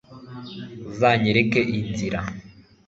uzanyereka inzira